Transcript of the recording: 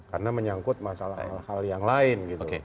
karena menyangkut masalah hal hal yang lain